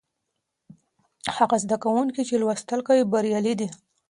هغه زده کوونکي چې لوستل کوي بریالي دي.